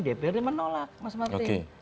dprd menolak mas martin